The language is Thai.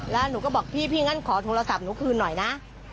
แล้วหนูก็บอกพี่งั้นขอโทรศัพท์หนูคืนหน่อยนะ